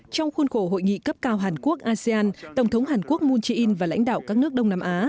trong khuôn khổ hội nghị cấp cao hàn quốc asean tổng thống hàn quốc moon jae in và lãnh đạo các nước đông nam á